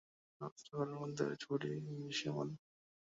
সমস্ত ঘরের মধ্যে ঐ ছবিটিই সব চেয়ে দৃশ্যমান।